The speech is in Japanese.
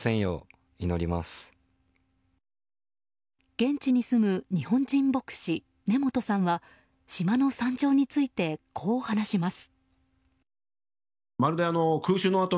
現地に住む日本人牧師根本さんは島の惨状についてこう話します。